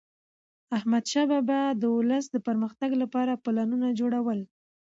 احمدشاه بابا به د ولس د پرمختګ لپاره پلانونه جوړول.